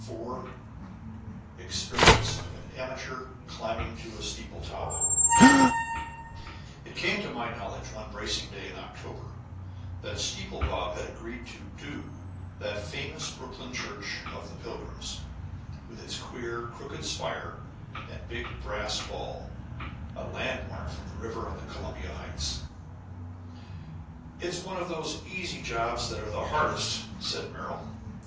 IV EXPERIENCE OF AN AMATEUR CLIMBING TO A STEEPLE TOP IT came to my knowledge, one bracing day in October, that "Steeple Bob" had agreed to "do" that famous Brooklyn Church of the Pilgrims, with its queer, crooked spire and big brass ball, a landmark from the river on Columbia Heights. "It's one of those easy jobs that are the hardest," said Merrill.